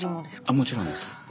もちろんです。